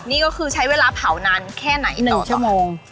นี่ก็คือใช้เวลาเผานานแค่ไหน๑ชั่วโมง